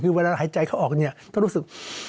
คือเวลาหายใจเข้าออก